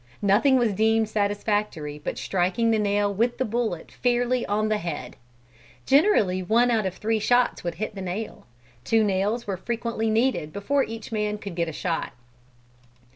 Nothing was deemed satisfactory but striking the nail with the bullet fairly on the head. Generally one out of three shots would hit the nail. Two nails were frequently needed before each man could get a shot.